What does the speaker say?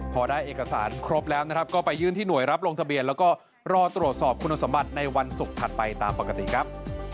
พอได้เอกสารครบแล้วนะครับก็ไปยื่นที่หน่วยรับลงทะเบียนแล้วก็รอตรวจสอบคุณสมบัติในวันศุกร์ถัดไปตามปกติครับ